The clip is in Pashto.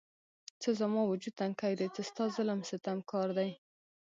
څه زما وجود تنکی دی، څه ستا ظلم ستم کار دی